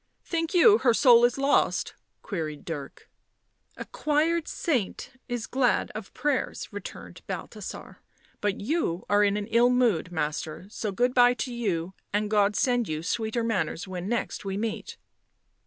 " Think you her soul is lost?" queried Dirk. 11 A choired saint is glad of prayers," returned Balthasar. " But you are in an ill mood, master, so good bye to you and God send you sweeter manners when next we meet."